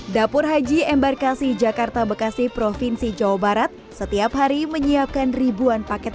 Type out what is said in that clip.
dapur haji embarkasi jakarta bekasi provinsi jawa barat setiap hari menyiapkan ribuan paket